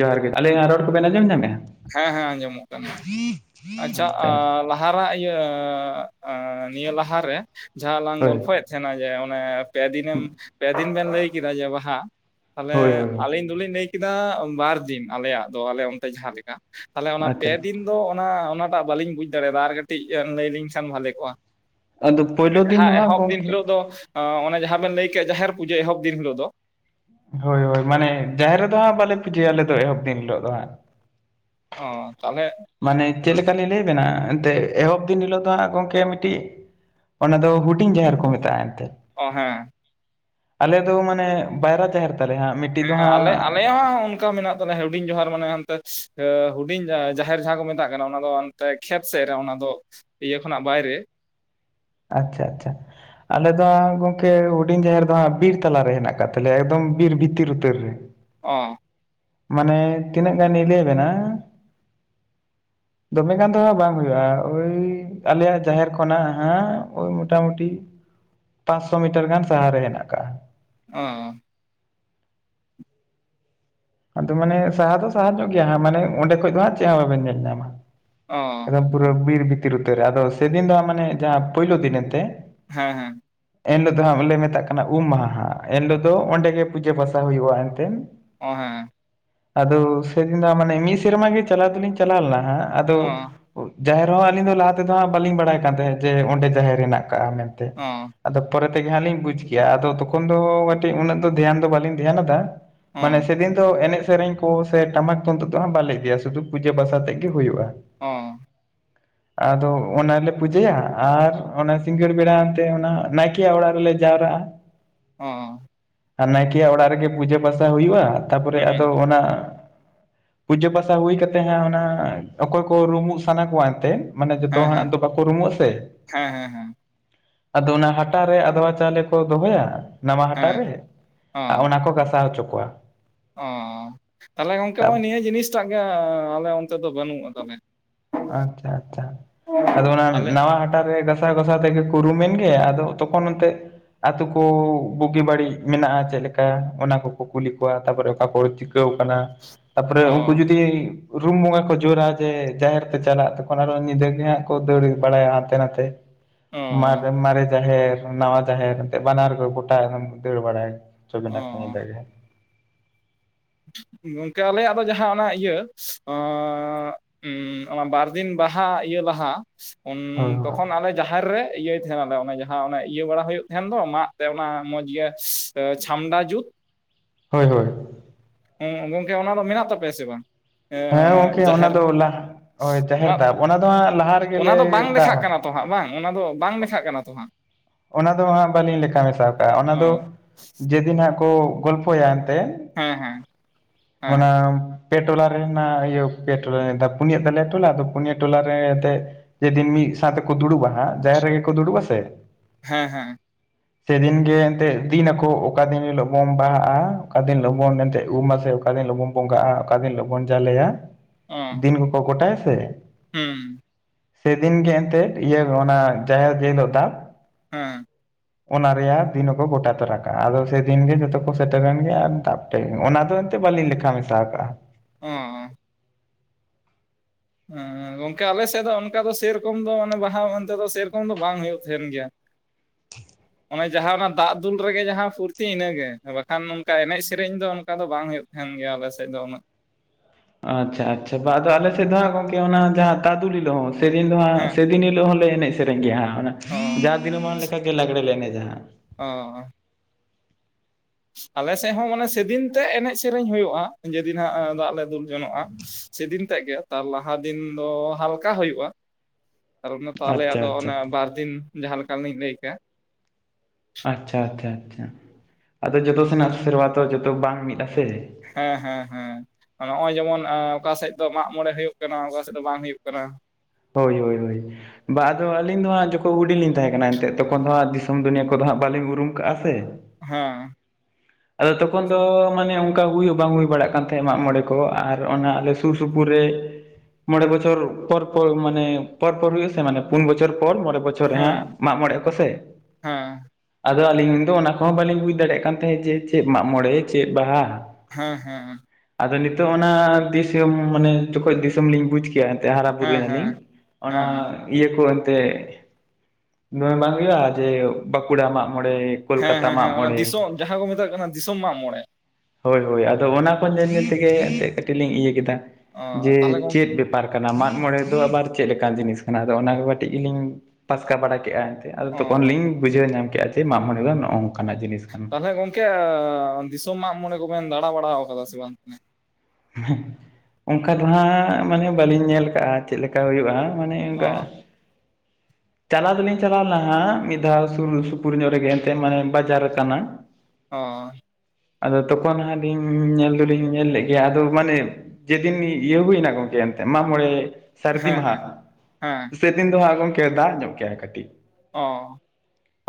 ᱡᱚᱦᱟᱨ ᱜᱮ ᱟᱞᱤᱧ ᱟᱜ ᱨᱚᱲ ᱠᱚᱵᱮᱱ ᱟᱸᱡᱚᱢ ᱧᱟᱢᱮᱫ ᱟ᱾ ᱦᱮᱸ ᱦᱮᱸ ᱟᱸᱡᱚᱢᱚᱜ ᱠᱟᱱᱟ ᱟᱪᱪᱷᱟ ᱞᱟᱦᱟ ᱞᱟᱦᱟᱨᱟᱜ ᱤᱭᱟᱹ ᱱᱤᱭᱟᱹ ᱞᱟᱦᱟᱨᱮ ᱡᱟᱦᱟᱸ ᱞᱟᱝ ᱦᱳᱭ ᱜᱚᱞᱯᱷᱚᱭᱮᱫ ᱛᱟᱦᱮᱱᱟ ᱡᱮ ᱚᱱᱮ ᱯᱮ ᱫᱤᱱ ᱯᱮ ᱫᱤᱱ ᱵᱮᱱ ᱞᱟᱹᱭ ᱠᱮᱫᱟ ᱡᱮ ᱵᱟᱦᱟ ᱛᱟᱦᱮᱞᱮ ᱦᱳᱭ ᱦᱳᱭ ᱟᱹᱞᱤᱧ ᱟᱞᱤᱧ ᱫᱚ ᱞᱤᱧ ᱞᱟᱹᱭ ᱠᱮᱫᱟ ᱵᱟᱨ ᱫᱤᱱ ᱟᱞᱮᱭᱟᱜ ᱫᱚ ᱟᱞᱮ ᱚᱱᱛᱮ ᱡᱟᱦᱟᱸ ᱞᱮᱠᱟ ᱛᱟᱦᱞᱮ ᱚᱱᱟ ᱯᱮ ᱟᱪᱪᱷᱟ ᱫᱤᱱ ᱫᱚ ᱚᱱᱟ ᱚᱱᱟᱴᱟᱜ ᱵᱟᱹᱞᱤᱧ ᱵᱩᱡᱽ ᱫᱟᱲᱮᱭᱟᱫᱟ ᱟᱨ ᱠᱟᱹᱴᱤᱡ ᱞᱟᱹᱭ ᱞᱤᱧ ᱠᱷᱟᱱ ᱵᱷᱟᱞᱮ ᱠᱚᱜᱼᱟ? ᱟᱫᱚ ᱮ ᱯᱳᱭᱞᱳ ᱫᱤᱱ ᱡᱟᱦᱟᱸ ᱫᱚ ᱦᱟᱸᱜ ᱮᱦᱚᱵ ᱫᱤᱱ ᱜᱚᱢᱠᱮ ᱦᱤᱞᱳᱜ ᱫᱚ ᱡᱟᱦᱟᱸ ᱵᱮᱱ ᱞᱟᱹᱭ ᱠᱮᱫᱮᱜ ᱡᱟᱦᱮᱨ ᱯᱩᱡᱟᱹ ᱮᱦᱚᱵ ᱫᱤᱱ ᱦᱤᱞᱳᱜ ᱫᱚ ᱦᱳᱭ ᱦᱳᱭ ᱢᱟᱱᱮ ᱡᱟᱦᱮᱨ ᱨᱮᱫᱚ ᱦᱟᱸᱜ ᱵᱟᱞᱮ ᱯᱩᱡᱟᱹᱭᱟ ᱟᱞᱮ ᱫᱚ ᱮᱦᱚᱵ ᱫᱤᱱ ᱦᱤᱞᱳᱜ ᱫᱚ ᱦᱟᱸᱜ ᱚ ᱛᱟᱦᱚᱞᱮ ᱢᱟᱱᱮ ᱪᱮᱫ ᱞᱮᱠᱟᱞᱤᱧ ᱞᱟᱹᱭᱵᱤᱱᱟ ᱮᱱᱛ ᱮᱦᱚᱵ ᱫᱤᱱ ᱦᱤᱞᱳᱜ ᱫᱚ ᱦᱟᱜ ᱜᱚᱝᱠᱮ ᱢᱤᱫᱴᱤᱡ ᱚᱱᱟ ᱫᱚ ᱦᱩᱰᱤᱧ ᱡᱟᱦᱮᱨ ᱠᱚ ᱢᱮᱛᱟᱜᱼᱟ ᱮᱱᱛᱮ ᱚ ᱦᱮᱸ ᱟᱞᱮ ᱫᱚ ᱢᱟᱱᱮ ᱵᱟᱭᱨᱟ ᱡᱟᱦᱮᱨ ᱛᱟᱞᱮ ᱦᱟᱸᱜ ᱢᱤᱫᱴᱤᱡ ᱫᱚ ᱦᱮᱸ ᱟᱞᱮ ᱦᱟᱸᱜ ᱟᱞᱮᱭᱟᱜ ᱦᱚ ᱚᱱᱠᱟ ᱚᱱᱠᱟ ᱢᱮᱱᱟᱜ ᱛᱟᱞᱮᱭᱟ ᱦᱩᱰᱤᱧ ᱡᱚᱦᱟᱨ ᱢᱟᱱᱮ ᱦᱟᱱᱛᱮ ᱦᱩᱰᱤᱧ ᱡᱟᱦᱮᱨ ᱡᱟᱦᱟᱸ ᱠᱚ ᱢᱮᱛᱟᱜ ᱠᱟᱱᱟ ᱚᱱᱟ ᱫᱚ ᱠᱷᱮᱛ ᱥᱮᱫ ᱨᱮ ᱚᱱᱟ ᱫᱚ ᱤᱭᱟᱹ ᱠᱷᱚᱱᱟᱜ ᱵᱟᱭᱨᱮ ᱟᱪᱪᱷᱟ ᱟᱪᱪᱷᱟ ᱟᱞᱮ ᱫᱚ ᱟᱸᱜ ᱜᱚᱝᱠᱮ ᱦᱩᱰᱤᱧ ᱡᱟᱦᱮᱨ ᱫᱚ ᱦᱟᱜ ᱵᱤᱨ ᱛᱟᱞᱟᱨᱮ ᱦᱮᱱᱟᱜ ᱟᱠᱟᱫ ᱛᱟᱞᱮᱭᱟ ᱮᱠᱫᱚᱢ ᱵᱤᱨ ᱵᱷᱤᱛᱤᱨ ᱩᱛᱟᱹᱨ ᱨᱮ ᱚᱻ ᱢᱟᱱᱮ ᱛᱤᱱᱟᱹᱜ ᱜᱟᱱᱞᱤᱧ ᱞᱟᱹᱭ ᱟᱵᱮᱱᱟ ᱫᱚᱢᱮ ᱜᱟᱱ ᱫᱚ ᱦᱟᱸᱜ ᱵᱟᱝ ᱦᱩᱭᱩᱜᱼᱟ ᱳᱭ ᱟᱞᱮᱭᱟᱜ ᱡᱟᱦᱮᱨ ᱠᱷᱚᱱᱟᱜ ᱦᱟᱸᱜ ᱳᱭ ᱢᱚᱴᱟᱢᱩᱴᱤ ᱯᱟᱸᱥᱥᱚ ᱢᱤᱴᱟᱨ ᱜᱟᱱ ᱥᱟᱦᱟᱨ ᱨᱮ ᱦᱮᱱᱟᱜ ᱟᱠᱟᱟᱜᱼᱟ ᱚᱻ ᱟᱫᱚ ᱢᱟᱱᱮ ᱥᱟᱦᱟ ᱫᱚ ᱥᱟᱦᱟ ᱧᱚᱜ ᱜᱮᱭᱟ ᱢᱟᱱᱮ ᱚᱸᱰᱮ ᱠᱷᱚᱡ ᱫᱚ ᱦᱟᱸᱜ ᱪᱮᱫ ᱦᱚᱸ ᱵᱟᱵᱮᱱ ᱧᱮᱞ ᱧᱟᱢᱟ᱾ ᱚ ᱮᱫᱚᱢ ᱯᱩᱨᱟᱹ ᱵᱤᱨ ᱵᱷᱤᱛᱤᱨ ᱩᱛᱟᱹᱨ ᱨᱮ ᱟᱫᱚ ᱥᱮᱫᱤᱱ ᱫᱚ ᱢᱟᱱᱮ ᱡᱟᱦᱟᱸ ᱯᱳᱭᱞᱳ ᱫᱤᱱ ᱮᱱᱛᱮ ᱦᱮᱸ ᱦᱮᱸ ᱮᱱᱦᱤᱞᱳᱜ ᱫᱚ ᱦᱟᱸᱜ ᱞᱮ ᱢᱮᱛᱟᱜ ᱠᱟᱱᱟ ᱩᱢ ᱢᱟᱦᱟ ᱮᱱᱦᱤᱞᱳᱜ ᱫᱚ ᱚᱸᱰᱮ ᱜᱮ ᱯᱩᱡᱟᱹ ᱵᱟᱥᱟ ᱦᱩᱭᱩᱜᱼᱟ ᱮᱱᱛᱮᱱ ᱚ ᱦᱮᱸ ᱟᱫᱚ ᱥᱮᱫᱤᱱ ᱫᱚ ᱢᱟᱱᱮ ᱢᱤᱫ ᱥᱮᱨᱢᱟ ᱜᱮ ᱪᱟᱞᱟᱣ ᱫᱚᱞᱤᱧ ᱪᱟᱞᱟᱣ ᱞᱮᱱᱟ ᱟᱫᱚ ᱚ ᱡᱟᱦᱮᱨ ᱦᱚᱸ ᱟᱹᱞᱤᱧ ᱫᱚ ᱞᱟᱦᱟ ᱛᱮᱫᱚ ᱦᱟᱸᱜ ᱵᱟᱹᱞᱤᱧ ᱵᱟᱲᱟᱭ ᱠᱟᱱ ᱛᱟᱦᱮᱸᱫ ᱡᱮ ᱚᱸᱰᱮ ᱡᱟᱦᱮᱨ ᱦᱮᱱᱟᱜ ᱠᱟᱜᱼᱟ ᱢᱮᱱᱛᱮ ᱚ ᱟᱫᱚ ᱯᱚᱨᱮ ᱛᱮᱜᱮ ᱦᱟᱸᱜ ᱞᱤᱧ ᱵᱩᱡᱽ ᱠᱮᱭᱟ ᱟᱫᱚ ᱛᱚᱠᱷᱚᱱ ᱫᱚ ᱠᱟᱹᱴᱤᱡ ᱩᱱᱟᱹᱜ ᱫᱚ ᱫᱷᱮᱭᱟᱱ ᱫᱚ ᱵᱟᱞᱤᱧ ᱫᱷᱮᱭᱟᱱᱫᱟ ᱚ ᱢᱟᱱᱮ ᱫᱤᱱ ᱫᱚ ᱮᱱᱮᱡ ᱥᱮᱨᱮᱧ ᱠᱚ ᱥᱮ ᱴᱟᱢᱟᱠ ᱛᱩᱢᱫᱟᱜ ᱫᱚ ᱵᱟᱞᱮ ᱤᱫᱤᱭᱟ ᱥᱩᱫᱷᱩ ᱯᱩᱡᱟᱹ ᱵᱟᱥᱟ ᱛᱮᱜ ᱜᱮ ᱦᱩᱭᱩᱜᱼᱟ᱾ ᱚᱸ ᱟᱫᱚ ᱚᱱᱟᱞᱮ ᱯᱩᱡᱟᱹᱭᱟ ᱟᱨ ᱚᱱᱟ ᱥᱤᱸᱜᱟᱹᱲ ᱵᱮᱲᱟ ᱮᱱᱛᱮ ᱚᱱᱟ ᱱᱟᱭᱠᱮᱭᱟᱜ ᱚᱲᱟᱜ ᱨᱮᱞᱮ ᱡᱟᱣᱨᱟᱜᱼᱟ᱾ ᱚᱸ ᱟᱨ ᱱᱟᱭᱠᱮᱭᱟᱜ ᱚᱲᱟᱜ ᱨᱮᱜᱮ ᱯᱩᱡᱟᱹ ᱯᱟᱥᱟ ᱦᱩᱭᱩᱜᱼᱟ ᱛᱟᱨᱯᱚᱨᱮ ᱟᱫᱚ ᱦᱩᱸ ᱚᱱᱟ ᱯᱩᱡᱟᱹ ᱯᱟᱥᱟ ᱦᱩᱭ ᱠᱟᱛᱮ ᱦᱟᱸᱜ ᱚᱱᱟ ᱚᱠᱚᱭ ᱠᱚ ᱨᱩᱢᱩᱜ ᱥᱟᱱᱟ ᱠᱚᱣᱟ ᱮᱱᱛᱮᱱ ᱢᱟᱱᱮ ᱡᱚᱛᱚ ᱦᱮᱸ ᱦᱮᱸ ᱦᱟᱸᱜ ᱫᱚ ᱵᱟᱠᱚ ᱨᱩᱢᱩᱜ ᱟᱥᱮ ᱦᱮᱸ ᱦᱮᱸ ᱦᱮᱸ ᱟᱫᱚ ᱚᱱᱟ ᱦᱟᱴᱟᱜ ᱨᱮ ᱟᱫᱽᱣᱟ ᱪᱟᱣᱞᱮ ᱠᱚ ᱫᱚᱦᱚᱭᱟ ᱱᱟᱣᱟ ᱦᱟᱴᱟᱜ ᱦᱮᱸ ᱨᱮ ᱟᱨ ᱚᱱᱟ ᱠᱚ ᱜᱟᱥᱟᱣ ᱦᱚᱪᱚ ᱠᱚᱣᱟ ᱚᱸ ᱛᱟᱦᱞᱮ ᱜᱚᱢᱠᱮ ᱛᱟᱵ ᱱᱚᱜᱼᱚᱭ ᱱᱤᱭᱟᱹ ᱡᱤᱱᱤᱥᱴᱟᱜ ᱜᱮ ᱟᱞᱮ ᱚᱱᱛᱮ ᱫᱚ ᱵᱟᱹᱱᱩᱜᱼᱟ ᱛᱟᱞᱮ᱾ ᱟᱪᱪᱷᱟ ᱟᱪᱪᱷᱟ ᱟᱫᱚ ᱚᱱᱟ ᱟᱞᱮ ᱱᱟᱣᱟ ᱦᱟᱴᱟᱜ ᱨᱮ ᱜᱟᱥᱟ ᱜᱟᱥᱟ ᱛᱮᱜᱮ ᱠᱩ ᱨᱩᱢᱮᱱ ᱜᱮ ᱟᱫᱚ ᱛᱚᱠᱷᱚᱱ ᱚᱱᱛᱮ ᱟᱹᱛᱩ ᱠᱚ ᱵᱩᱜᱤ ᱵᱟᱹᱲᱤᱡ ᱢᱮᱱᱟᱜᱼᱟ ᱪᱮᱫ ᱞᱮᱠᱟ ᱚᱱᱟ ᱠᱚᱠᱚ ᱠᱩᱞᱤ ᱠᱚᱣᱟ ᱛᱟᱯᱚᱨᱮ ᱚᱠᱟ ᱠᱚ ᱟᱹᱠᱟᱹᱣ ᱟᱠᱟᱱᱟ ᱛᱟᱯᱚᱨᱮ ᱩᱱᱠᱩ ᱚ ᱡᱩᱫᱤ ᱨᱩᱢ ᱵᱚᱸᱜᱟ ᱠᱚ ᱡᱳᱨᱟ ᱡᱮ ᱡᱟᱦᱮᱨ ᱮ ᱪᱟᱞᱟᱜ ᱛᱚᱠᱷᱚᱱ ᱟᱨᱚ ᱧᱤᱫᱟᱹ ᱜᱮ ᱦᱟᱸᱜ ᱠᱚ ᱫᱟᱹᱲ ᱵᱟᱲᱟᱭᱟ ᱦᱟᱱᱛᱮ ᱱᱟᱛᱮ ᱚ ᱢᱟᱨᱮ ᱢᱟᱨᱮ ᱡᱟᱦᱮᱨ ᱱᱟᱣᱟ ᱡᱟᱦᱮᱨ ᱮᱱᱛᱮ ᱵᱟᱱᱟᱨ ᱜᱮ ᱜᱚᱴᱟ ᱫᱟᱹᱲ ᱵᱟᱲᱟᱭ ᱫᱟᱹᱲ ᱦᱚᱪᱚ ᱵᱤᱱᱟ ᱚ ᱧᱤᱫᱟᱹ ᱜᱮ ᱜᱚᱝᱠᱮ ᱟᱞᱮᱭᱟᱜ ᱫᱚ ᱡᱟᱦᱟᱸ ᱚᱱᱟ ᱤᱭᱟᱹ ᱚᱱᱟ ᱵᱟᱨᱫᱤᱱ ᱵᱟᱦᱟ ᱤᱭᱟᱹ ᱞᱟᱦᱟ ᱦᱳᱭ ᱦᱳᱭ ᱛᱚᱠᱷᱚᱱ ᱟᱞᱮ ᱡᱟᱦᱮᱨ ᱨᱮ ᱤᱭᱟᱹᱭ ᱛᱟᱦᱮᱱᱟᱞᱮ ᱚᱱᱮ ᱡᱟᱦᱟᱸ ᱚᱱᱮ ᱤᱭᱟᱹ ᱵᱟᱲᱟ ᱦᱩᱭᱩᱜ ᱛᱟᱦᱮᱸᱱ ᱫᱚ ᱢᱟᱫ ᱛᱮ ᱚᱱᱟ ᱢᱚᱸᱡᱽ ᱜᱮ ᱪᱷᱟᱢᱰᱟ ᱡᱩᱛ ᱦᱳᱭ ᱦᱳᱭ ᱜᱚᱝᱠᱮ ᱚᱱᱟ ᱫᱚ ᱢᱮᱱᱟᱜ ᱛᱟᱯᱮᱭᱟ ᱥᱮ ᱵᱟᱝ ᱦᱮᱸ ᱚᱱᱟ ᱜᱚᱝᱠᱮ ᱡᱟᱦᱮᱨ ᱫᱚ ᱞᱟᱦᱟ ᱦᱳᱭ ᱚᱱᱟ ᱡᱟᱦᱮᱨ ᱫᱟᱵ ᱫᱚ ᱦᱟᱸᱜ ᱞᱟᱦᱟ ᱚᱱᱟ ᱫᱚ ᱵᱟᱝ ᱨᱮᱜᱮᱞᱮ ᱞᱮᱠᱷᱟᱜ ᱫᱟᱵᱟ ᱠᱟᱱᱟ ᱛᱚ ᱦᱟᱸᱜ ᱵᱟᱝ ᱚᱱᱟ ᱫᱚ ᱵᱟᱝ ᱞᱮᱠᱷᱟᱜ ᱠᱟᱱᱟ ᱛᱚ ᱦᱟᱸᱜ ᱚᱱᱟ ᱫᱚ ᱦᱟᱸᱜ ᱵᱟᱹᱞᱤᱧ ᱞᱮᱠᱷᱟ ᱢᱮᱥᱟ ᱠᱟᱜᱼᱟ ᱚᱱᱟ ᱚ ᱫᱚ ᱡᱮᱫᱤᱱ ᱦᱟᱸᱜ ᱠᱚ ᱜᱚᱞᱯᱷᱚᱭᱟ ᱮᱱᱛᱮᱱ ᱦᱮᱸ ᱦᱮᱸ ᱦᱮᱸ ᱚᱱᱟᱢ ᱯᱮ ᱴᱚᱞᱟ ᱨᱮ ᱤᱭᱟᱹ ᱯᱮ ᱴᱚᱞᱟ ᱯᱩᱱᱭᱟᱹ ᱛᱟᱞᱮᱭᱟ ᱴᱚᱞᱟ ᱟᱫᱚ ᱯᱩᱱᱭᱟᱹ ᱴᱚᱞᱟ ᱨᱮ ᱮᱱᱛᱮᱫ ᱡᱮ ᱫᱤᱱ ᱢᱤᱫ ᱥᱟᱶᱛᱮᱠᱚ ᱫᱩᱲᱩᱵᱟᱼᱟ ᱦᱟᱸᱜ ᱡᱟᱦᱮᱨ ᱨᱮᱜᱮ ᱠᱚ ᱫᱩᱲᱩᱵᱼᱟ ᱥᱮ ᱦᱮᱸ ᱦᱮᱸ ᱥᱮᱫᱤᱱ ᱜᱮ ᱮᱱᱛᱮᱫ ᱫᱤᱱ ᱟᱠᱚ ᱚᱠᱟ ᱫᱤᱱ ᱦᱤᱞᱚᱜ ᱵᱚᱱ ᱵᱟᱦᱟᱜᱼᱟ ᱚᱠᱟ ᱫᱤᱱ ᱦᱤᱞᱚᱜ ᱵᱚᱱ ᱮᱱᱛᱮᱫ ᱩᱢᱟᱥᱮ ᱚᱠᱟ ᱫᱤᱱ ᱞᱚᱜᱚᱵᱚᱱ ᱵᱚᱸᱜᱟᱜᱼᱟ ᱚᱠᱟ ᱫᱤᱱ ᱞᱚᱜ ᱵᱚᱱ ᱡᱟᱞᱮᱭᱟ ᱚ ᱫᱤᱱ ᱠᱚᱠᱚ ᱜᱚᱴᱟᱭᱟ ᱥᱮ ᱦᱩᱸ ᱥᱮᱫᱤᱱ ᱜᱮ ᱮᱱᱛᱮᱫ ᱤᱭᱟᱹ ᱚᱱᱟ ᱡᱟᱦᱮᱨ ᱡᱮ ᱦᱤᱞᱳᱜ ᱫᱟᱵ ᱦᱟᱸ ᱚᱱᱟ ᱨᱮᱭᱟᱜ ᱫᱤᱱ ᱦᱚᱸᱠᱚ ᱜᱚᱴᱟ ᱛᱚᱨᱟ ᱠᱟᱜᱼᱟ ᱟᱫᱚ ᱥᱮᱫᱤᱱ ᱜᱮ ᱡᱚᱛᱚ ᱠᱚ ᱥᱮᱴᱮᱨᱮᱱ ᱜᱮᱭᱟ ᱟᱨ ᱚᱱᱟ ᱫᱚ ᱮᱱᱛᱮᱜ ᱵᱟᱹᱞᱤᱧ ᱞᱮᱠᱷᱟ ᱢᱮᱥᱟ ᱠᱟᱜᱼᱟ᱾ ᱚᱸ ᱦᱚᱸ ᱦᱮᱸ ᱜᱚᱝᱠᱮ ᱟᱞᱮ ᱥᱮᱫ ᱫᱚ ᱚᱱᱠᱟ ᱫᱚ ᱥᱮᱨᱚᱠᱚᱢ ᱫᱚ ᱢᱟᱱᱮ ᱵᱟᱦᱟ ᱢᱮᱱᱛᱮ ᱫᱚ ᱥᱮᱨᱚᱠᱚᱢ ᱫᱚ ᱵᱟᱝ ᱦᱩᱭᱩᱜ ᱛᱟᱦᱮᱱ ᱜᱮᱭᱟ᱾ [inaudible] ᱚᱱᱮ ᱡᱟᱦᱟᱸ ᱚᱱᱟ ᱫᱟᱜ ᱫᱩᱞ ᱨᱮᱜᱮ ᱡᱟᱦᱟᱸ ᱯᱷᱩᱨᱛᱤ ᱤᱱᱟᱹᱜᱮ ᱵᱟᱠᱷᱟᱱ ᱚᱱᱠᱟ ᱮᱱᱮᱡ ᱥᱮᱨᱮᱧ ᱫᱚ ᱚᱱᱠᱟ ᱫᱚ ᱵᱟᱝ ᱦᱩᱭᱩᱜ ᱛᱟᱦᱮᱸᱱ ᱜᱮᱭᱟ ᱟᱞᱮᱥᱮᱫ ᱫᱚ ᱩᱱᱟᱹᱜ ᱟᱪᱪᱷᱟ ᱟᱪᱪᱷᱟ ᱵᱟ ᱟᱫᱚ ᱟᱞᱮ ᱥᱮᱫ ᱫᱚ ᱜᱚᱝᱠᱮ ᱚᱱᱟ ᱡᱟᱦᱟᱸ ᱛᱟᱫᱩᱞ ᱦᱤᱞᱚᱜ ᱦᱚᱸ ᱥᱮᱫᱤᱱ ᱫᱚ ᱦᱟᱸᱜ ᱦᱮᱸ ᱥᱮᱫᱤᱱ ᱦᱤᱞᱳᱜ ᱦᱚᱸᱞᱮ ᱮᱸᱱᱮᱡ ᱥᱮᱸᱨᱮᱧ ᱜᱮᱭᱟ ᱦᱟᱸᱜ ᱚᱱᱟ ᱚ ᱡᱟ ᱫᱤᱱᱩᱢᱟᱱ ᱞᱮᱠᱟᱜᱮ ᱞᱟᱸᱜᱽᱲᱮ ᱞᱮ ᱮᱸᱱᱮᱡᱟ ᱦᱟᱸᱜ ᱚ ᱟᱞᱮᱥᱮᱫ ᱦᱚᱸ ᱢᱟᱱᱮ ᱥᱮᱫᱤᱱ ᱛᱮ ᱮᱸᱱᱮᱡ ᱥᱮᱸᱨᱮᱧ ᱦᱩᱭᱩᱜᱼᱟ ᱡᱮᱫᱤᱱ ᱦᱟᱸᱜ ᱫᱟᱜ ᱞᱮ ᱫᱩᱞ ᱜᱚᱱᱚᱜᱼᱟ ᱥᱮᱫᱤᱱ ᱛᱮᱫ ᱜᱮ ᱛᱟᱨ ᱞᱟᱦᱟ ᱫᱤᱱ ᱫᱚ ᱦᱟᱞᱠᱟ ᱦᱩᱭᱩᱜᱼᱟ ᱟᱨ ᱚᱱᱟᱛᱮ ᱟᱞᱮᱭᱟᱜ ᱟᱪᱪᱷᱟ ᱫᱚ ᱟᱪᱪᱷᱟ ᱚᱱᱮ ᱵᱟᱨ ᱫᱤᱱ ᱡᱟᱦᱟᱸ ᱞᱮᱠᱟᱞᱤᱧ ᱞᱟᱹᱭ ᱠᱮᱫ ᱟᱪᱪᱷᱟ ᱟᱪᱪᱷᱟ ᱟᱪᱪᱷᱟ ᱟᱫᱚ ᱡᱚᱛᱚ ᱥᱮᱱᱟᱜ ᱥᱮᱸᱨᱣᱟ ᱛᱚ ᱡᱚᱛᱚ ᱵᱟᱝ ᱢᱤᱫ ᱟ ᱥᱮ ᱦᱮᱸ ᱦᱮᱸ ᱦᱮᱸ ᱱᱚᱜᱼᱚᱭ ᱡᱮᱢᱚᱱ ᱚᱠᱟᱥᱮᱫ ᱫᱚ ᱢᱟᱸᱜᱽ ᱢᱚᱬᱮᱸ ᱦᱩᱭᱩᱜ ᱠᱟᱱᱟ ᱚᱠᱟᱥᱮᱫ ᱫᱚ ᱵᱟᱝ ᱦᱩᱭᱩᱜ ᱠᱟᱱᱟ ᱦᱳᱭ ᱦᱳᱭ ᱦᱳᱭ ᱵᱟ ᱟᱫᱚ ᱟᱹᱞᱤᱧ ᱫᱚ ᱦᱟᱸᱜ ᱡᱚᱠᱷᱚᱱ ᱦᱩᱸᱰᱤᱧ ᱞᱤᱧ ᱛᱟᱦᱮᱸ ᱠᱟᱱᱟ ᱮᱱᱛᱮ ᱛᱚᱠᱷᱚᱱ ᱫᱚ ᱦᱟᱸᱜ ᱫᱤᱥᱚᱢ ᱫᱩᱱᱤᱭᱟᱹ ᱠᱚᱫᱚ ᱦᱟᱸᱜ ᱵᱟᱹᱞᱤᱧ ᱩᱨᱩᱢ ᱠᱟᱜᱼᱟ ᱥᱮ ᱦᱮᱸ ᱟᱫᱚ ᱛᱚᱠᱷᱚᱱ ᱫᱚ ᱢᱟᱱᱮ ᱚᱱᱠᱟ ᱦᱩᱭ ᱦᱚᱸ ᱵᱟᱝ ᱦᱩᱭ ᱵᱟᱲᱟᱜ ᱠᱟᱱ ᱛᱟᱦᱮᱸᱜ ᱢᱟᱸᱜᱽ ᱢᱚᱬᱮᱸ ᱠᱚ ᱟᱨ ᱚᱱᱟ ᱟᱞᱮ ᱥᱩᱨ ᱥᱩᱯᱩᱨ ᱨᱮ ᱢᱚᱬᱮᱸ ᱵᱚᱪᱷᱚᱨ ᱯᱚᱨ ᱢᱟᱱᱮ ᱯᱚᱨ ᱯᱚᱨ ᱦᱩᱭᱩᱜᱼᱟ ᱥᱮ ᱢᱟᱱᱮ ᱯᱩᱱ ᱵᱚᱪᱷᱚᱨ ᱯᱚᱨ ᱢᱚᱬᱮᱸ ᱵᱚᱪᱷᱚᱨ ᱵᱚᱪᱷᱚᱨ ᱨᱮ ᱦᱟᱸᱜ ᱦᱮᱸ ᱢᱟᱸᱜᱽ ᱢᱚᱬᱮᱸ ᱟᱠᱚ ᱥᱮ ᱦᱮᱸ ᱟᱫᱚ ᱟᱹᱞᱤᱧ ᱫᱚ ᱚᱱᱟ ᱠᱚᱦᱚᱸ ᱵᱟᱹᱞᱤᱧ ᱵᱩᱡ ᱫᱟᱲᱮᱭᱟᱜ ᱠᱟᱱ ᱛᱟᱦᱮᱸᱫ ᱡᱮ ᱪᱮᱫ ᱢᱟᱸᱜᱽ ᱢᱚᱬᱮᱸ ᱪᱮᱫ ᱵᱟᱦᱟ ᱦᱮᱸ ᱦᱮᱸ ᱟᱫᱚ ᱱᱤᱛᱚᱜ ᱚᱱᱟ ᱫᱤᱥᱚᱢ ᱢᱟᱱᱮ ᱡᱚᱠᱷᱚᱡ ᱫᱤᱥᱚᱢ ᱞᱤᱧ ᱵᱩᱡ ᱠᱮᱭᱟ ᱮᱱ ᱦᱮᱸ ᱦᱮᱸ [unintelligible] ᱦᱮᱸ ᱚᱱᱟ ᱤᱭᱟᱹ ᱠᱚ ᱮᱱᱛᱮᱫ ᱫᱚᱢᱮ ᱵᱟᱝ ᱦᱩᱭᱩᱜᱼᱟ ᱡᱮ ᱵᱟᱸᱠᱩᱲᱟ ᱢᱟᱸᱜᱽ ᱢᱚᱬᱮᱸ ᱦᱮᱸ ᱦᱮᱸ ᱦᱮᱸ ᱚᱱᱟ ᱫᱤᱥᱚᱢ ᱡᱟᱦᱟᱸ ᱠᱚ ᱢᱮᱛᱟᱜ ᱠᱟᱱᱟ ᱫᱤᱥᱚᱢ ᱢᱟᱸᱜᱽ ᱢᱚᱬᱮᱸ ᱦᱳᱭ ᱦᱳᱭ ᱟᱫᱚ ᱚᱱᱟ ᱠᱚ ᱧᱮᱞ ᱧᱮᱞ ᱛᱮᱜᱮ ᱮᱱᱛᱮ ᱠᱟᱹᱴᱤᱡ ᱞᱤᱧ ᱤᱭᱟᱹ ᱠᱮᱫᱟ ᱚ ᱡᱮ ᱛᱟᱦᱚᱞᱮ ᱜᱚᱝ ᱪᱮᱫ ᱵᱮᱯᱟᱨ ᱵᱮᱯᱟᱨ ᱠᱟᱱᱟ ᱢᱟᱸᱜᱽ ᱢᱚᱬᱮᱸ ᱫᱚ ᱟᱵᱟᱨ ᱪᱮᱫ ᱞᱮᱠᱟᱱ ᱡᱤᱱᱤᱥ ᱠᱟᱱᱟ ᱟᱫᱚ ᱚᱱᱟ ᱠᱟᱹᱴᱤᱡ ᱜᱮ ᱞᱤᱧ ᱯᱟᱥᱠᱟ ᱵᱟᱲᱟ ᱠᱮᱫᱼᱟ ᱟᱫᱚ ᱚ ᱛᱚᱠᱷᱚᱱ ᱞᱤᱧ ᱵᱩᱡᱷᱟᱹᱣ ᱧᱟᱢ ᱠᱮᱫᱼᱟ ᱡᱮ ᱢᱟᱸᱜᱽ ᱢᱚᱬᱮᱸ ᱫᱚ ᱱᱚᱼᱚᱝᱠᱟᱱᱟᱜ ᱡᱤᱱᱤᱥ ᱠᱟᱱᱟ ᱛᱟᱦᱟᱞᱮ ᱜᱚᱝᱠᱮ ᱫᱤᱥᱚᱢ ᱢᱟᱸᱜᱽ ᱢᱚᱬᱮᱸ ᱠᱚᱵᱮᱱ ᱫᱟᱲᱟ ᱵᱟᱲᱟ ᱟᱠᱟᱫᱟ ᱥᱮ ᱵᱟᱝ ᱚᱱᱠᱟ ᱫᱚ ᱦᱟᱸᱜ ᱢᱟᱱᱮ ᱵᱟᱹᱞᱤᱧ ᱧᱮᱞ ᱠᱟᱜᱼᱟ ᱪᱮᱫ ᱞᱮᱠᱟ ᱦᱩᱭᱩᱜᱼᱟ ᱢᱟᱱᱮ ᱚ ᱚᱱᱠᱟ ᱪᱟᱞᱟᱣ ᱫᱚᱞᱤᱧ ᱪᱟᱞᱟᱣ ᱞᱮᱱᱟ ᱦᱟᱸᱜ ᱢᱤᱫ ᱫᱷᱟᱹᱣ ᱥᱩᱨ ᱥᱩᱯᱩᱨ ᱧᱚᱜ ᱨᱮᱜᱮ ᱮᱱᱛᱮ ᱢᱟᱱᱮ ᱵᱟᱡᱟᱨ ᱠᱟᱱᱟ ᱚ ᱟᱫᱚ ᱛᱚᱠᱷᱚᱱ ᱦᱟᱸᱞᱤᱧ ᱧᱮᱞ ᱫᱚᱞᱤᱧ ᱧᱮᱞ ᱞᱮᱫ ᱜᱮᱭᱟ ᱟᱫᱚ ᱢᱟᱱᱮ ᱡᱮᱫᱤᱱ ᱤᱭᱟᱹ ᱦᱩᱭᱱᱟ ᱜᱚᱝᱠᱮ ᱮᱱᱛᱮ ᱢᱟᱹᱜᱽ ᱢᱚᱬᱮᱸ ᱥᱟᱹᱨᱫᱤ ᱦᱮᱸ ᱢᱟᱦᱟ ᱦᱮᱸ ᱦᱮᱸ ᱥᱮᱫᱤᱱ ᱫᱚ ᱦᱟᱸᱜ ᱜᱚᱢᱠᱮ ᱫᱟᱜ ᱧᱚᱜ ᱠᱮᱟᱭ ᱠᱟᱹᱴᱤᱡ ᱚ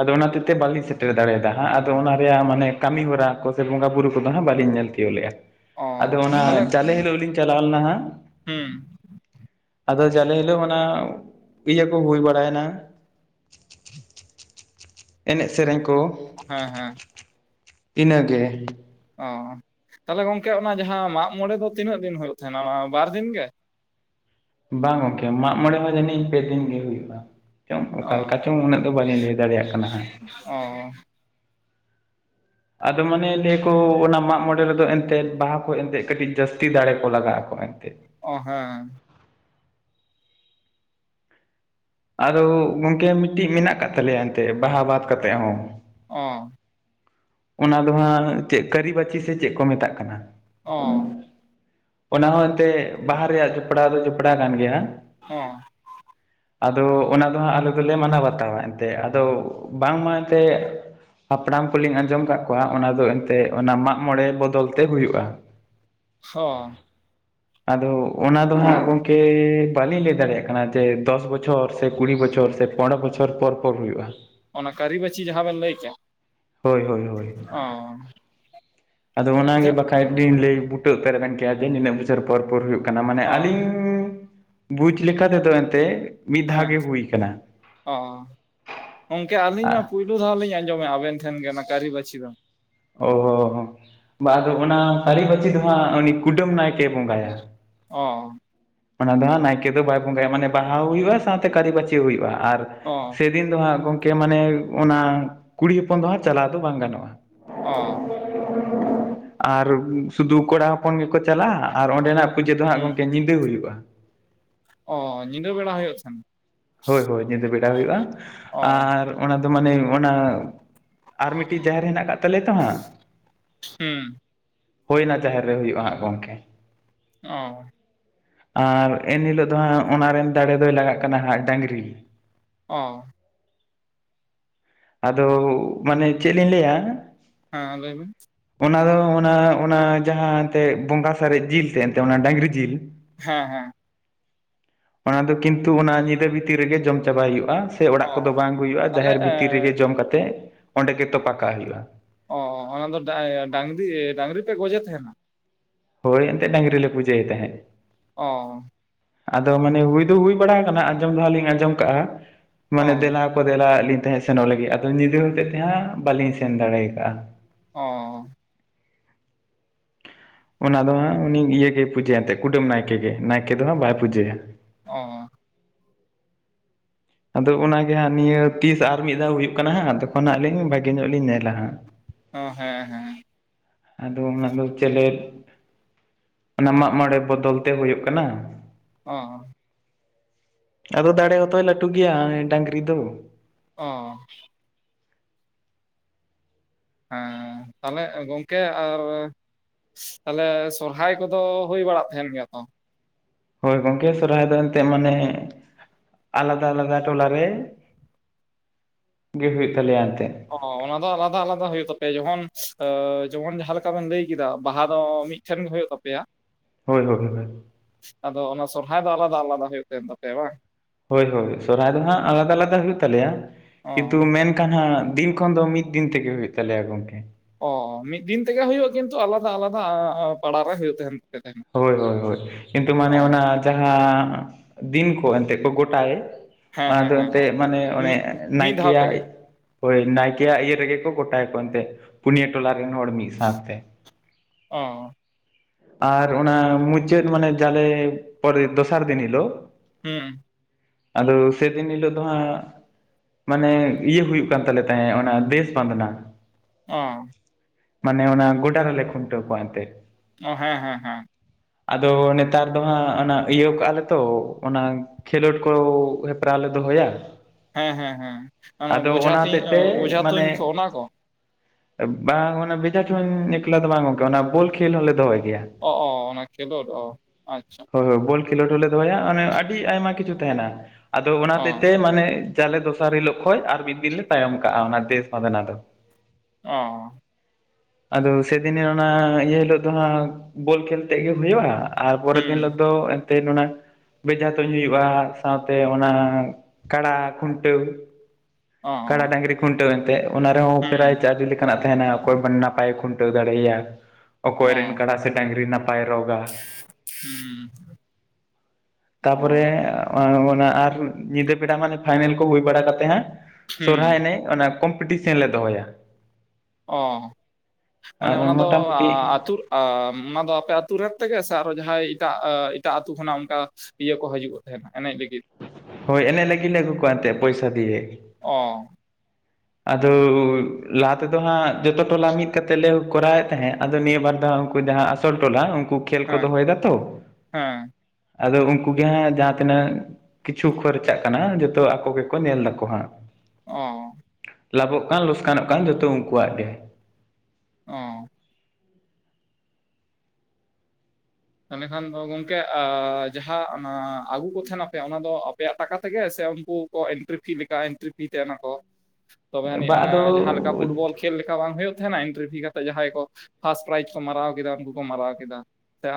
ᱟᱫᱚ ᱚᱱᱟ ᱦᱚᱛᱮᱛᱮ ᱵᱟᱹᱞᱤᱧ ᱥᱮᱴᱮᱨ ᱫᱟᱲᱮᱭᱟᱫᱟ ᱦᱟᱸᱜ ᱟᱫᱚ ᱚᱱᱟ ᱨᱮᱭᱟᱜ ᱢᱟᱱᱮ ᱠᱟᱹᱢᱤ ᱦᱚᱨᱟ ᱠᱚ ᱥᱮ ᱵᱚᱸᱜᱟ ᱵᱩᱨᱩ ᱠᱚᱫᱚ ᱦᱟᱸᱜ ᱵᱟᱹᱞᱤᱧ ᱧᱮᱞ ᱠᱮᱫ ᱞᱮᱫᱼᱟ ᱚ ᱟᱫᱚ ᱚᱱᱟ ᱡᱟᱞᱮᱸ ᱦᱤᱞᱳᱜ ᱜᱮᱞᱤᱧ ᱪᱟᱞᱟᱣ ᱞᱮᱱᱟ ᱦᱟᱸᱜ ᱦᱮᱸ ᱟᱫᱚ ᱡᱟᱞᱮᱸ ᱦᱤᱞᱚᱜ ᱢᱟᱱᱮ ᱠᱚ ᱦᱩᱭ ᱵᱟᱲᱟᱭᱱᱟ ᱮᱸᱱᱮᱡ ᱥᱮᱸᱨᱮᱧ ᱠᱚ ᱦᱮᱸ ᱦᱮᱸ ᱤᱱᱟᱹ ᱜᱮ ᱚ ᱛᱟᱦᱚᱞᱮ ᱜᱚᱝᱠᱮ ᱚᱱᱟ ᱡᱟᱦᱟ ᱢᱟᱸᱜᱽ ᱢᱚᱬᱮᱸ ᱫᱚ ᱛᱤᱱᱟᱹᱜ ᱫᱤᱱ ᱦᱩᱭᱩᱜ ᱛᱟᱦᱮᱸᱱᱟ ᱚᱱᱟ ᱵᱟᱨ ᱫᱤᱱ ᱜᱮ‍? ᱵᱟᱝ ᱜᱚᱝᱠᱮ ᱢᱟᱸᱜᱽ ᱢᱚᱬᱮᱸ ᱦᱚᱸ ᱡᱟᱹᱱᱤᱡ ᱯᱮ ᱫᱤᱱ ᱜᱮ ᱦᱩᱭᱩᱜᱼᱟ ᱪᱚᱝ ᱚᱠᱟ ᱞᱮᱠᱟ ᱚ ᱪᱚᱝ ᱩᱱᱟᱹᱜ ᱫᱚ ᱵᱟᱹᱞᱤᱧ ᱞᱟᱹᱭ ᱫᱟᱲᱮᱭᱟᱜ ᱠᱟᱱᱟ ᱦᱟᱸᱜ ᱚ ᱟᱫᱚ ᱢᱟᱱᱮ ᱞᱟᱹᱭ ᱟᱠᱚ ᱚᱱᱟ ᱢᱟᱸᱜᱽ ᱢᱚᱬᱮᱸ ᱨᱮᱫᱚ ᱮᱱᱛᱮᱫ ᱵᱟᱦᱟ ᱠᱷᱚᱡ ᱮᱱᱛᱮᱫ ᱠᱟᱹᱴᱤᱡ ᱡᱟᱹᱥᱛᱤ ᱫᱟᱲᱮ ᱠᱚ ᱞᱟᱜᱟ ᱟᱠᱚ ᱮᱱᱛᱮᱫ ᱚ ᱦᱮᱸ ᱟᱫᱚ ᱜᱚᱝᱠᱮ ᱢᱤᱫᱴᱤᱡ ᱢᱮᱱᱟᱜ ᱟᱠᱟᱫ ᱛᱟᱞᱮᱭᱟ ᱮᱱᱛᱮᱫ ᱵᱟᱦᱟ ᱵᱟᱫ ᱠᱟᱛᱮᱜ ᱦᱚᱸ ᱚ ᱚᱱᱟ ᱫᱚ ᱦᱟᱸᱜ ᱪᱮᱫ ᱠᱟᱹᱨᱤᱵᱟᱹᱪᱤ ᱥᱮ ᱪᱮᱫ ᱠᱚ ᱢᱮᱛᱟᱜ ᱠᱟᱱᱟ᱾ ᱚ ᱚᱱᱟ ᱦᱚ ᱮᱱᱛᱮ ᱵᱟᱦᱟ ᱨᱮᱭᱟᱜ ᱡᱚᱯᱲᱟᱣ ᱫᱚ ᱡᱚᱯᱲᱟᱣ ᱠᱟᱱ ᱜᱮᱭᱟ᱾ ᱦᱮᱸ ᱟᱫᱚ ᱚᱱᱟ ᱫᱚ ᱦᱟᱜ ᱟᱞᱮ ᱫᱚᱞᱮ ᱢᱟᱱᱟᱣ ᱵᱟᱛᱟᱣᱼᱟ ᱮᱱᱛᱮ ᱟᱫᱚ ᱵᱟᱝᱢᱟ ᱮᱱᱛᱮ, ᱦᱟᱯᱲᱟᱢ ᱠᱚᱞᱤᱧ ᱟᱸᱡᱚᱢ ᱟᱠᱟᱫ ᱠᱚᱣᱟ ᱚᱱᱟ ᱫᱚ ᱮᱱᱛᱮ ᱫᱚ ᱚᱱᱟ ᱢᱟᱜ ᱢᱚᱬᱮ ᱵᱚᱫᱚᱞ ᱛᱮ ᱦᱩᱭᱩᱜᱼᱟ᱾ ᱦᱚᱸ [unintelligible] ᱟᱫᱚ ᱚᱱᱟ ᱫᱚ ᱦᱟᱸᱜ ᱜᱚᱝᱠᱮ ᱵᱟᱹᱞᱤᱧ ᱞᱟᱹᱭ ᱫᱟᱲᱮᱭᱟ-ᱜ ᱠᱟᱱᱟ, ᱥᱮ ᱫᱚᱥ ᱵᱚᱪᱷᱚᱨ ᱥᱮ ᱠᱩᱲᱤ ᱵᱚᱪᱷᱚᱨ ᱥᱮ ᱯᱚᱱᱮᱨᱚ ᱵᱚᱪᱷᱚᱨ ᱯᱚᱨ ᱯᱚᱨ ᱦᱩᱭᱩᱜᱼᱟ᱾ ᱚᱱᱟ ᱠᱟᱹᱨᱤ ᱵᱟᱹᱪᱷᱤ ᱡᱟᱦᱟᱸ ᱵᱮᱱ ᱞᱟᱹᱭ ᱠᱮᱭᱟ, ᱦᱳᱭ ᱦᱳᱭ ᱦᱳᱭ᱾ ᱟᱫᱚ ᱚᱱᱟᱜᱮ ᱟᱪᱪᱷᱟ ᱵᱟᱠᱷᱟᱱ ᱞᱤᱧ ᱞᱟᱹᱭ ᱵᱩᱴᱟᱹ [inaudible] ᱡᱮ ᱱᱤᱱᱟᱹᱜ ᱵᱚᱪᱷᱚᱨ ᱯᱚᱨ ᱯᱚᱨ ᱦᱩᱭᱩᱜᱼᱟ ᱾ ᱢᱟᱱᱮ ᱚ ᱟᱹᱞᱤᱧ ᱵᱩᱡᱽ ᱞᱮᱠᱟ ᱛᱮᱫᱚ ᱮᱱᱛᱮ, ᱢᱤᱫ ᱫᱷᱟᱣ ᱦᱮᱸ ᱜᱮ ᱦᱩᱭ ᱠᱟᱱᱟ᱾ ᱚ ᱜᱚᱝᱠᱮ ᱟᱹᱞᱤᱧ ᱢᱟ ᱯᱩᱭᱞᱩ ᱫᱷᱟᱣᱞᱤᱧᱭ ᱟᱸᱡᱚᱢ ᱮᱫᱟ ᱟᱵᱮᱱ ᱴᱷᱮᱱ ᱜᱮ ᱠᱟᱹᱨᱤᱵᱟᱹᱪᱷᱤ ᱫᱚ, ᱚ ᱟᱫᱚ ᱚᱱᱟ ᱠᱟᱹᱨᱤᱵᱟᱹᱪᱷᱤ ᱫᱚ ᱦᱟᱸᱜ ᱩᱱᱤ ᱠᱩᱰᱟᱹᱢ ᱱᱟᱭᱠᱮ ᱵᱚᱸᱜᱟ-ᱟᱭ᱾ ᱚ ᱚᱱᱟ ᱫᱚ ᱦᱟᱸᱜ ᱱᱟᱭᱠᱮ ᱫᱚ ᱵᱟᱭ ᱵᱚᱸᱜᱟᱭᱟ ᱢᱟᱱᱮ ᱵᱟᱦᱟ ᱦᱩᱭᱩᱜᱼᱟ, ᱥᱟᱶᱛᱮ ᱠᱟᱹᱨᱤᱵᱟᱹᱪᱷᱤ ᱦᱩᱭᱩᱜᱼᱟ᱾ᱟᱨ ᱚ ᱫᱤᱱ ᱫᱚ ᱦᱟᱸᱜ ᱜᱚᱢᱠᱮ ᱢᱟᱱᱮ ᱚᱱᱟ ᱠᱩᱲᱤ ᱦᱚᱯᱚᱱ ᱫᱚ ᱦᱟᱸᱜ ᱪᱟᱞᱟᱣ ᱫᱚ ᱵᱟᱝ ᱜᱟᱱᱚᱜᱼᱟ᱾ ᱚ ᱟᱨ ᱥᱩᱫᱷᱩ ᱠᱚᱲᱟ ᱦᱚᱯᱚᱱ ᱜᱮᱠᱚ ᱪᱟᱞᱟᱜᱼᱟ, ᱟᱨ ᱚᱸᱰᱮᱱᱟᱜ ᱯᱩᱡᱟᱹ ᱫᱚ ᱦᱟᱸᱜ ᱦᱩᱸ ᱜᱚᱢᱠᱮ ᱧᱤᱫᱟᱹ ᱦᱩᱭᱩᱜᱼᱟ᱾ ᱚᱻ ᱧᱤᱫᱟᱹ ᱵᱮᱲᱟ ᱦᱩᱭᱩᱜ ᱛᱟᱦᱮᱱ ᱦᱳᱭ ᱦᱳᱭ ᱧᱤᱫᱟᱹ ᱵᱮᱲᱟ ᱦᱩᱭᱩᱜᱼᱟ, ᱚ ᱟᱨ ᱚᱱᱟ ᱫᱚ ᱢᱟᱱᱮ ᱚᱱᱟ ᱟᱨ ᱢᱤᱫᱴᱤᱡ ᱡᱟᱦᱮᱨ ᱢᱮᱱᱟᱜ ᱟᱠᱟᱫᱟ᱾ [inaudible] ᱦᱟᱸᱜ ᱦᱩᱸ ᱦᱳᱣ ᱚᱱᱟ ᱡᱟᱦᱮᱨ ᱨᱮ ᱦᱩᱭᱩᱜᱼᱟ ᱦᱟᱸᱜ ᱜᱚᱝᱠᱮ, ᱚᱻ ᱟᱨ ᱮᱱ ᱦᱤᱞᱳᱜ ᱫᱚ ᱦᱟᱸᱜ ᱚᱱᱟ ᱨᱮᱱ ᱫᱟᱲᱮ ᱫᱚᱭ ᱞᱟᱜᱟᱜ ᱠᱟᱱᱟ ᱦᱟᱸᱜ ᱰᱟᱹᱝᱜᱨᱤ᱾ ᱚ ᱟᱫᱚ ᱢᱟᱱᱮ ᱪᱮᱫ ᱞᱤᱧ ᱞᱟᱹᱭᱟ, ᱦᱮᱸ ᱞᱟᱹᱭ ᱵᱤᱱ ᱚᱱᱟ ᱫᱚ ᱚᱱᱟ ᱡᱟᱦᱟᱸ ᱛᱮᱫ ᱵᱚᱸᱜᱟ ᱥᱟᱨᱮᱡ ᱡᱤᱞ ᱛᱟᱦᱮᱸ ᱮᱱᱛᱮ ᱚᱱᱟ ᱰᱟᱝᱨᱤ ᱡᱤᱞ, ᱦᱮᱸ ᱦᱮᱸ ᱚᱱᱟ ᱫᱚ ᱠᱤᱱᱛᱩ ᱚᱱᱟ ᱧᱤᱫᱟᱹ ᱵᱷᱤᱛᱤᱨ ᱨᱮᱜᱮ ᱡᱚᱢ ᱪᱟᱵᱟ ᱦᱩᱭᱩᱜᱼᱟ, ᱥᱮ ᱚᱲᱟᱜ ᱠᱚᱫᱚ ᱚ ᱵᱟᱝ ᱟᱜᱩ ᱛᱟᱦᱚᱞᱮ ᱦᱩᱭᱩᱜᱼᱟ᱾ᱡᱟᱦᱮᱸᱨᱮ ᱡᱚᱢ ᱠᱟᱛᱮᱜ ᱚᱸᱰᱮ ᱜᱮ ᱛᱚᱯᱟ ᱠᱟᱜ ᱦᱩᱭᱩᱜᱼᱟ᱾ ᱚ [unintelligible] ᱚᱱᱟ ᱫᱚ ᱰᱟᱝᱨᱤ ᱯᱮ ᱜᱚᱡᱮ ᱛᱟᱦᱮᱱᱟ, ᱦᱳᱣ ᱮᱱᱛᱮ ᱰᱟᱝᱨᱤ ᱞᱮ ᱯᱩᱡᱟᱹᱭ ᱛᱟᱦᱮᱭ᱾ ᱚ ᱟᱫᱚ ᱢᱟᱱᱮ ᱦᱩᱭ ᱫᱚ ᱦᱩᱭ ᱵᱟᱲᱟ ᱠᱟᱱᱟ ᱟᱸᱡᱚᱢ ᱫᱚ ᱦᱟᱸᱜ ᱞᱤᱧ ᱟᱸᱡᱚᱢ ᱠᱟᱜᱼᱟ ᱚ ᱢᱟᱱᱮ ᱫᱮᱞᱟ ᱠᱚ ᱫᱮᱞᱟ ᱞᱤᱧ ᱛᱟᱦᱮᱸ ᱥᱮᱱᱚᱜ ᱞᱟᱹᱜᱤᱫ ᱟᱫᱚ ᱧᱤᱫᱟᱹ ᱦᱚᱛᱮᱫ ᱛᱮ ᱦᱟᱸᱜ ᱵᱟᱹᱞᱤᱧ ᱥᱮᱱ ᱫᱟᱲᱮ ᱟᱠᱟᱟᱜᱼᱟ᱾ ᱚ ᱚᱱᱟ ᱫᱚ ᱦᱟᱸᱜ ᱩᱱᱤ ᱜᱮᱭ ᱯᱩᱡᱟᱹᱭᱟ ᱮᱫ ᱛᱟᱦᱮᱫ ᱠᱩᱰᱟᱹᱢ ᱱᱟᱭᱠᱮ ᱜᱮ, ᱱᱟᱭᱠᱮ ᱫᱚ ᱦᱟᱸᱜ ᱵᱟᱭ ᱯᱩᱡᱟᱹᱭᱟ᱾ ᱚ ᱟᱫᱚ ᱚᱱᱟᱜᱮ ᱦᱟᱸᱜ ᱱᱤᱭᱟᱹ ᱛᱤᱥ ᱟᱨ ᱢᱤᱫᱽᱫᱷᱟᱣ ᱦᱩᱭᱩᱜ ᱠᱟᱱᱟ ᱦᱟᱸᱜ ᱛᱚᱠᱷᱚᱱ ᱦᱟᱸᱜ ᱞᱤᱧ ᱵᱷᱟᱜᱮ ᱧᱚᱜ ᱞᱤᱧ ᱧᱮᱞᱼᱟ ᱦᱟᱸᱜ᱾ ᱚ ᱦᱮᱸ ᱻᱦᱮᱸᱻ ᱟᱫᱚ ᱚᱱᱟ ᱫᱚ [unintelligible] ᱚᱱᱟ ᱢᱟᱜ ᱢᱚᱬᱮ ᱵᱚᱫᱚᱞ ᱛᱮ ᱦᱩᱭᱩᱜ ᱠᱟᱱᱟ, ᱚ ᱟᱫᱚ ᱫᱟᱲᱮ ᱦᱚᱸᱛᱚᱭ ᱞᱟᱹᱴᱩ ᱜᱮᱭᱟᱭ ᱰᱟᱹᱝᱨᱤ ᱫᱚ᱾ ᱚ ᱦᱮᱸ ᱛᱟᱦᱚᱞᱮ ᱜᱚᱢᱠᱮ ᱟᱨ᱾ ᱛᱟᱦᱚᱞᱮ ᱥᱚᱨᱦᱟᱭ ᱠᱚᱫᱚ ᱦᱩᱭ ᱵᱟᱲᱟᱜ ᱛᱟᱦᱮᱱ ᱜᱮᱭᱟ ᱛᱚ᱾ ᱦᱳᱭ ᱜᱚᱢᱠᱮ ᱥᱚᱨᱚᱦᱟᱭ ᱫᱚ ᱮᱱᱛᱮᱫ ᱢᱟᱱᱮ ᱟᱞᱟᱫᱟ ᱟᱞᱟᱫᱟ ᱴᱚᱞᱟ ᱨᱮ᱾ ᱜᱮ ᱦᱩᱭᱩᱜ ᱛᱟᱞᱮᱭᱟ ᱮᱱᱛᱮᱫ᱾ ᱚ ᱚᱱᱟ ᱫᱚ ᱟᱞᱟᱫᱟ ᱟᱞᱟᱫᱟ ᱦᱩᱭᱩᱜ ᱛᱟᱯᱮᱭᱟ ᱡᱮᱢᱚᱱ ᱡᱮᱢᱚᱱ ᱡᱟᱦᱟᱸ ᱞᱮᱠᱟ ᱵᱮᱱ ᱞᱟᱹᱭ ᱠᱮᱫᱟ ᱵᱟᱦᱟ ᱫᱚ ᱢᱤᱫ᱾ ᱥᱮ ᱦᱩᱭᱩᱜ ᱛᱟᱯᱮᱭᱟ᱾ ᱦᱳᱭ ᱦᱳᱭ᱾ ᱟᱫᱚ ᱚᱱᱟ ᱥᱚᱨᱦᱟᱭ ᱫᱚ ᱟᱞᱟᱫᱟ ᱟᱞᱟᱫᱟ ᱦᱩᱭᱩᱜ ᱠᱟᱱ ᱛᱟᱯᱮᱭᱟ ᱵᱟᱝ᱾ ᱦᱳᱭ ᱦᱳᱭ ᱥᱚᱨᱦᱟᱭ ᱫᱚ ᱦᱟᱸᱜ ᱟᱞᱟᱫᱟ ᱟᱞᱟᱫᱟ ᱦᱩᱭᱩᱜ ᱛᱟᱞᱮᱭᱟ ᱚ ᱠᱤᱱᱛᱩ ᱢᱮᱱᱠᱷᱟᱱ ᱦᱟᱸᱜ ᱫᱤᱱ᱾ ᱛᱚᱠᱷᱚᱱ ᱫᱚ ᱢᱤᱫ ᱫᱤᱱ ᱛᱮᱜᱮ ᱦᱩᱭᱩᱜ ᱛᱟᱞᱮᱭᱟ ᱜᱚᱢᱠᱮ᱾ ᱚᱻ ᱢᱤᱫ ᱫᱤᱱ ᱛᱮᱜᱮ ᱦᱩᱭᱩᱜ-ᱟ ᱠᱤᱱᱛᱩ ᱟᱞᱟᱫᱟ ᱟᱞᱟᱫᱟ ᱯᱟᱲᱟ ᱨᱮ ᱦᱩᱭᱩᱜ ᱛᱟᱦᱮᱱ᱾ ᱛᱟᱦᱮᱱᱟ ᱦᱳᱭ ᱦᱳᱭ ᱦᱳᱭ ᱠᱤᱱᱛᱩ ᱚ ᱢᱟᱱᱮ ᱚᱱᱟ ᱡᱟᱦᱟᱸ ᱫᱤᱱ ᱠᱚ ᱮᱱᱛᱮᱫ ᱠᱚ ᱜᱚᱴᱟᱭ᱾ ᱦᱮᱸ ᱚᱱᱟ ᱦᱮᱸ ᱫᱚ ᱦᱮᱸ ᱮᱱᱛᱮ ᱢᱟᱱᱮ ᱚᱱᱮ ᱢᱤᱫ ᱢᱤᱫ ᱫᱷᱟᱣ ᱱᱟᱭᱠᱮᱭᱟᱜ᱾ ᱛᱮᱜᱮ ᱦᱳᱭ ᱱᱟᱭᱠᱮᱭᱟᱜ ᱤᱭᱟᱹ ᱨᱮᱜᱮ ᱠᱚ ᱜᱚᱴᱟ ᱠᱚ ᱮᱱᱛᱮᱫ ᱯᱩᱱᱭᱟᱹ ᱴᱚᱞᱟ ᱨᱮᱱ ᱦᱚᱲ ᱢᱤᱫ ᱥᱟᱶᱛᱮ᱾ ᱚᱸ᱾ ᱟᱨ ᱚᱱᱟ ᱢᱩᱪᱟᱹᱫ ᱢᱟᱱᱮ ᱡᱟᱞᱮ ᱯᱚᱨᱮ ᱫᱚᱥᱟᱨ ᱫᱤᱱ ᱦᱤᱞᱳᱜ᱾ ᱦᱮᱸ᱾ ᱟᱫᱚ ᱥᱮᱫᱤᱱ ᱦᱤᱞᱳᱜ ᱫᱚ ᱦᱟᱸ ᱢᱟᱱᱮ ᱤᱭᱟᱹ ᱦᱩᱭᱩᱜ ᱠᱟᱱ ᱛᱟᱞᱮ ᱛᱟᱦᱮᱸ ᱚᱱᱟ ᱫᱮᱥ ᱵᱟᱸᱫᱱᱟ᱾ ᱚᱸ᱾ ᱢᱟᱱᱮ ᱚᱱᱟ ᱜᱚᱰᱟ ᱨᱮᱞᱮ ᱠᱷᱩᱱᱴᱟᱹᱣ ᱠᱚᱣᱟ ᱮᱱᱛᱮ᱾ ᱚ ᱦᱮᱸ ᱦᱮᱸ ᱦᱮᱸ ᱟᱫᱚ ᱱᱮᱛᱟᱨ ᱫᱚ ᱦᱟᱸᱜ ᱟᱹᱭᱟᱹᱣ ᱠᱟᱜᱼᱟ ᱞᱮᱛᱚ ᱚᱱᱟ᱾ ᱠᱷᱮᱞᱳᱰ ᱠᱚ ᱦᱮᱯᱨᱟᱣ ᱞᱮ ᱫᱚᱦᱳᱭᱟ᱾ ᱦᱮᱸ ᱦᱮᱸ ᱦᱮᱸ ᱚᱱᱟ ᱵᱳᱡᱷᱟ ᱛᱩᱧ ᱦᱚᱛᱮᱡ ᱛᱮ ᱵᱳᱚᱡᱷᱟ ᱢᱟᱱᱮ ᱛᱩᱧ ᱠᱚ ᱚᱱᱟ ᱠᱚ᱾ ᱵᱟᱝ ᱚᱱᱟ ᱵᱷᱮᱡᱟ ᱛᱩᱧ ᱮᱠᱞᱟ ᱫᱚ ᱵᱟᱝ ᱜᱚᱝᱠᱮ ᱚᱱᱟ ᱵᱚᱞ ᱠᱷᱮᱞ ᱦᱚᱞᱮ ᱫᱚᱦᱚᱭ ᱜᱮᱭᱟ᱾ ᱚᱜ-ᱚ ᱚᱱᱟ ᱠᱷᱮᱞᱳᱰ ᱚ ᱟᱪᱪᱷᱟ᱾ ᱦᱳᱭ ᱦᱳᱭ ᱵᱚᱞ ᱠᱷᱮᱞᱳᱰ ᱦᱚᱞᱮ ᱫᱚᱦᱚᱭᱟ ᱚᱱᱮ ᱟᱹᱰᱤ ᱟᱭᱢᱟ ᱠᱤᱪᱷᱩ ᱛᱟᱦᱮᱱᱟ ᱟᱫᱚ ᱚᱱᱟ ᱦᱚᱛᱮᱡ ᱚ ᱛᱮ ᱢᱟᱱᱮ ᱪᱟᱞᱮ ᱫᱚᱥᱟᱨ ᱦᱤᱞᱳᱜ ᱠᱷᱚᱡ ᱟᱨ ᱢᱤᱫ ᱫᱤᱱ ᱞᱮ ᱛᱟᱭᱚᱢ ᱠᱟᱜᱼᱟ ᱚᱱᱟ ᱫᱮᱥ ᱵᱟᱸᱫᱷᱟᱱᱟ ᱫᱚ᱾ ᱚᱸ, ᱟᱫᱚ ᱥᱮᱫᱤᱱᱮ ᱚᱱᱟ ᱤᱭᱟᱹ ᱦᱤᱞᱳᱜ ᱫᱚ ᱦᱟᱸᱜ ᱵᱚᱞ ᱠᱷᱮᱹᱞ ᱛᱮᱜ ᱜᱮ ᱦᱩᱭᱩᱜ-ᱟ᱾ ᱟᱨ ᱯᱚᱨᱮᱨ ᱫᱤᱱ ᱦᱩᱸ ᱦᱤᱞᱚᱜ ᱫᱚ᱾ ᱛᱮ ᱚᱱᱟ ᱵᱮᱡᱟ ᱛᱩᱧ ᱦᱩᱭᱩᱜ-ᱟ ᱥᱟᱶᱛᱮ ᱚᱱᱟ ᱠᱟᱲᱟ ᱠᱷᱩᱱᱴᱟᱹᱣ᱾ ᱚ ᱠᱟᱰᱟ ᱰᱟᱹᱝᱨᱤ ᱠᱷᱩᱱᱴᱟᱹᱣ ᱮᱱᱛᱮ ᱚᱱᱟ ᱨᱮᱦᱚᱸ ᱦᱩᱸ ᱯᱨᱟᱭᱤᱡ ᱟᱰᱤ ᱞᱮᱠᱟᱱᱟᱜ ᱛᱟᱦᱮᱱᱟ ᱚᱠᱚᱭ ᱵᱟᱱ ᱱᱟᱯᱟᱭᱮ ᱠᱷᱩᱱᱴᱟᱹᱣ ᱫᱟᱲᱮᱼᱟᱭᱟ ᱾ ᱚᱠᱚᱭᱨᱮᱱ ᱚ ᱠᱟᱰᱟ ᱥᱮ ᱰᱟᱝᱨᱤ ᱱᱟᱯᱟᱭ ᱨᱚᱜᱟ᱾ ᱦᱩᱸ ᱚ ᱛᱟᱯᱚᱨᱮ, ᱚᱱᱟ ᱟᱨ ᱧᱤᱫᱟᱹ ᱵᱮᱲᱟ ᱢᱟᱱᱮ ᱯᱷᱟᱭᱱᱮᱞ ᱠᱚ ᱦᱩᱭ ᱵᱟᱲᱟ ᱠᱟᱛᱮ ᱦᱟᱜ᱾ ᱦᱩᱸ ᱥᱚᱨᱦᱟᱭ ᱮᱱᱮᱡ ᱚᱱᱟ ᱠᱚᱢᱯᱤᱴᱤᱥᱮᱱ ᱞᱮ ᱫᱚᱦᱚᱭᱟ ᱾ ᱚᱸ ᱢᱟᱱᱮ ᱚᱱᱟ ᱫᱚ ᱢᱚᱴᱟᱢᱩᱴᱤ ᱟᱹᱛᱩᱼᱼ ᱚᱸ ᱚᱱᱟ ᱫᱚ ᱟᱯᱮ ᱟᱹᱛᱩ ᱨᱮᱱ ᱛᱮᱜᱮ ᱥᱮ ᱟᱨᱦᱚᱸ ᱡᱟᱦᱟᱸᱭ ᱮᱴᱟᱜ ᱮᱴᱟᱜ ᱟᱹᱛᱩ ᱠᱷᱚᱱᱟᱜ ᱚᱱᱠᱟ ᱤᱭᱟᱹ ᱠᱚ ᱦᱤᱡᱩᱜ-ᱟ ᱛᱟᱦᱮᱫ ᱮᱱᱮᱡ ᱞᱟᱹᱜᱤᱫ᱾ ᱦᱳᱭ ᱮᱱᱮᱡ ᱞᱟᱹᱜᱤᱫ ᱞᱮ ᱟᱜᱩᱠᱚᱣᱟ ᱮᱱᱛᱮ ᱯᱚᱭᱥᱟ ᱫᱤᱭᱮ᱾ ᱚᱸ, ᱟᱫᱚ ᱞᱟᱦᱟ ᱛᱮᱫᱚ ᱦᱟᱜ ᱡᱚᱛᱚ ᱴᱚᱞᱟ ᱢᱤᱫ ᱠᱟᱛᱮᱞᱮ ᱠᱚᱨᱟᱣᱮᱫ ᱛᱟᱦᱮᱫ ᱟᱫᱚ ᱱᱤᱭᱟᱹ ᱵᱟᱨ ᱫᱚ ᱦᱟᱜ ᱩᱱᱠᱩ ᱡᱟᱦᱟᱸ ᱟᱥᱚᱞ ᱴᱚᱞᱟ ᱩᱱᱠᱩ ᱠᱷᱮᱞ ᱠᱚ ᱦᱮᱸ ᱫᱚᱦᱚᱭᱮᱫᱟ ᱛᱚ᱾ ᱦᱮᱸ ᱟᱫᱚ ᱩᱱᱠᱩ ᱜᱮ ᱦᱟᱜ ᱡᱟᱦᱟᱸ ᱛᱤᱱᱟᱹᱜ ᱠᱤᱪᱷᱩ ᱠᱷᱚᱨᱪᱟᱜ ᱠᱟᱱᱟ ᱡᱚᱛᱚ ᱟᱠᱚ ᱜᱮᱠᱚ ᱧᱮᱞ ᱫᱟᱠᱚ ᱦᱟᱸᱜᱼᱼ ᱚᱸ, ᱞᱟᱵᱷᱚᱜ ᱠᱟᱱ ᱞᱚᱥᱠᱟᱱᱚᱜ ᱠᱟᱱ ᱡᱚᱛᱚ ᱩᱱᱠᱩᱣᱟᱜ ᱜᱮ᱾ ᱚ, ᱛᱟᱦᱚᱞᱮ ᱠᱷᱟᱱ ᱫᱚ ᱜᱚᱢᱠᱮ ᱡᱟᱦᱟᱸ ᱚᱱᱟ ᱟᱹᱜᱩ ᱠᱚ ᱛᱟᱦᱮᱱᱟᱯᱮ ᱚᱱᱟ ᱫᱚ ᱟᱯᱮᱭᱟᱜ ᱴᱟᱠᱟ ᱛᱮᱜᱮ ᱥᱮ ᱩᱱᱠᱩ ᱮᱱᱴᱨᱤ ᱯᱷᱤ ᱞᱮᱠᱟ ᱮᱱᱴᱨᱤ ᱯᱷᱤ ᱛᱟᱦᱮᱱᱟᱠᱚ ᱛᱚᱵᱮ ᱹᱟᱱᱤᱡ ᱵᱟ ᱚᱱᱮ ᱟᱫᱚ ᱡᱟᱦᱟᱸᱮᱠᱟ ᱯᱷᱩᱴᱵᱚᱞ ᱠᱚ ᱪᱮᱫ ᱞᱮᱠᱟ ᱵᱟᱝ ᱦᱳᱭᱳᱜ ᱛᱟᱦᱮᱸᱱᱟ ᱤᱱᱴᱨᱤᱯᱷᱤ ᱠᱟᱛᱮᱜ ᱡᱟᱦᱟᱸᱭ ᱠᱚ ᱯᱷᱟᱥᱴ ᱯᱨᱟᱭᱤᱡᱽ ᱠᱚ ᱢᱟᱨᱟᱣ ᱠᱮᱫᱟ ᱩᱱᱠᱩ ᱠᱚ ᱢᱟᱨᱟᱣ ᱠᱮᱫᱟ᱾ ᱥᱮ